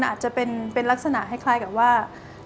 อาจจะเป็นลักษณะคล้ายกับว่า